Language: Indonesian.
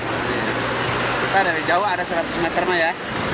kita dari jawa ada seratus meter mah ya